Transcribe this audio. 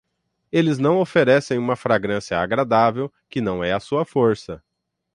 Eles não oferecem uma fragrância agradável, que não é a sua força.